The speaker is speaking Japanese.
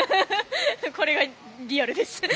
これがリアルです。